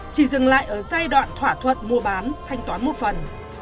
chỉ dừng lại ở giai đoạn thỏa thuận mua bán thanh toán một phần